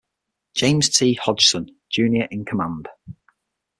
James T. Hodgson, Junior in command.